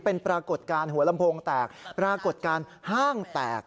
เป็นปรากฏการณ์หัวลำโพงแตกปรากฏการณ์ห้างแตก